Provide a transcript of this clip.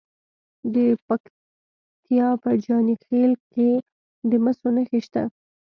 د پکتیا په جاني خیل کې د مسو نښې شته.